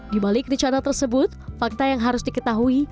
di balik rencana tersebut fakta yang harus diketahui